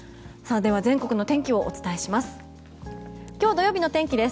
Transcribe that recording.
では全国の天気をお伝えします。